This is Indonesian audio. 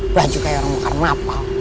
baju kayak orang makarnapal